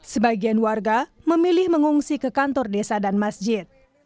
sebagian warga memilih mengungsi ke kantor desa dan masjid